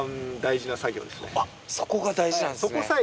あっそこが大事なんですね。